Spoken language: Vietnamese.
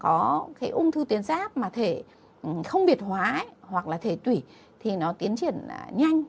có cái ung thư tuyến ráp mà thể không biệt hóa hoặc là thể tùy thì nó tiến triển nhanh